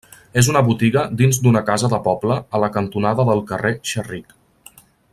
És una botiga dins d'una casa de poble a la cantonada del carrer Xerric.